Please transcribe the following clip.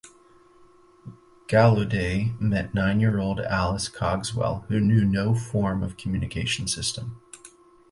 Gallaudet met nine-year-old Alice Cogswell who knew no form of communication system.